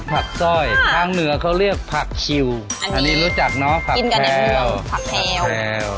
ผักซ่อยทางเหนือเค้าเรียกผักชิวอันนี้รู้จักเนอะผักแพลวผักแพลว